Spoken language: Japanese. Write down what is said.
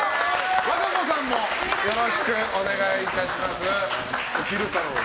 和歌子さんもよろしくお願いします。